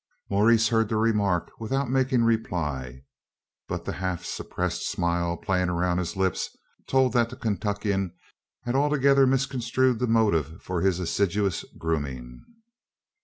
Maurice heard the remarks without making reply; but the half suppressed smile playing around his lips told that the Kentuckian had altogether misconstrued the motive for his assiduous grooming.